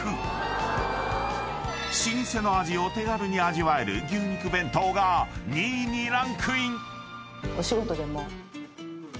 ［老舗の味を手軽に味わえる牛肉弁当が２位にランクイン］